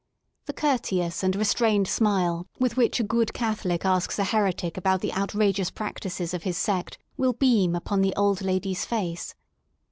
The courteous and restrained smile with which a good Catholic asks a heretic about the outrageous practises of his sect, will beam upon the old lady's face.